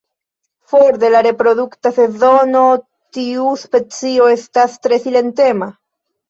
For de la reprodukta sezono tiu specio estas tre silentema.